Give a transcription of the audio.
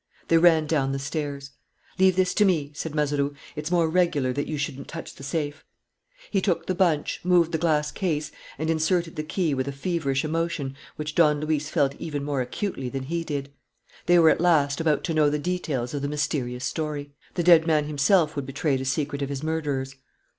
They ran down the stairs. "Leave this to me," said Mazeroux. "It's more regular that you shouldn't touch the safe." He took the bunch, moved the glass case, and inserted the key with a feverish emotion which Don Luis felt even more acutely than he did. They were at last about to know the details of the mysterious story. The dead man himself would betray the secret of his murderers.